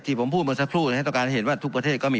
ที่ผมพูดมาสักครู่เนี้ยต้องการเห็นว่าทุกประเทศก็มี